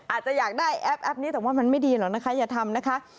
อาจจะอยากได้แอปแป๊ปนี้แต่ว่ามันไม่ดีหรอกนะคะอย่าทำนะคะ